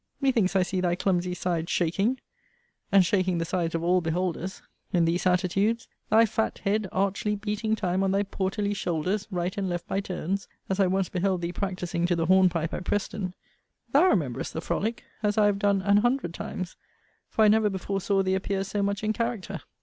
Methinks I see thy clumsy sides shaking, (and shaking the sides of all beholders,) in these attitudes; thy fat head archly beating time on thy porterly shoulders, right and left by turns, as I once beheld thee practising to the horn pipe at Preston. Thou remembrest the frolick, as I have done an hundred times; for I never before saw thee appear so much in character.